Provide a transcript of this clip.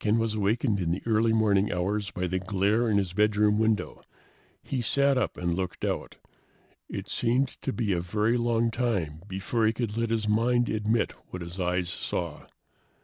Ken was awakened in the early morning hours by the glare in his bedroom window. He sat up and looked out. It seemed to be a very long time before he could let his mind admit what his eyes saw.